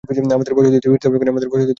আমাদের বসতিতে ফিরতে হবে, এক্ষুনি।